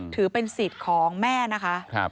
ถือเป็นสิทธิ์ของแม่นะคะ